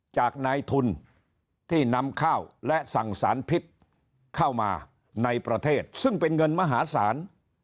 จากนายทุนที่นำข้าวและสั่งสารพิษเข้ามาในประเทศซึ่งเป็นเงินมหาศาล